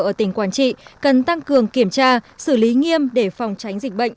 ở tỉnh quảng trị cần tăng cường kiểm tra xử lý nghiêm để phòng tránh dịch bệnh